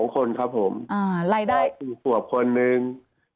๒คนถูกกบคนหนึ่ง